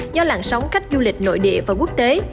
do làn sóng khách du lịch nội địa và quốc tế